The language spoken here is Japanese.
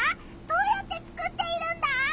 どうやって作っているんだ？